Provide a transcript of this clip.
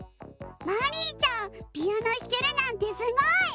まりいちゃんピアノひけるなんてすごい！